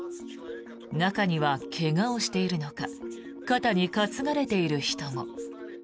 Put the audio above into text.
中には怪我をしているのか肩に担がれている人も。